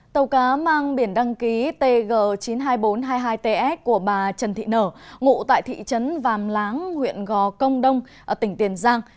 tàu cá mang biển đăng ký tg chín mươi hai nghìn bốn trăm hai mươi hai ts của bà trần thị nở ngụ tại thị trấn vàm láng huyện gò công đông tỉnh tiền giang